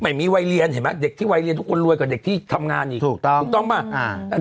ไม่มีวัยเรียนเห็นไหมเด็กที่วัยเรียนทุกคนรวยกว่าเด็กที่ทำงานอีกถูกต้องถูกต้องป่ะ